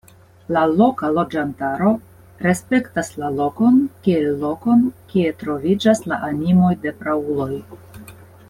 La loka loĝantaro respektas la lokon kiel lokon, kie troviĝas la animoj de prauloj.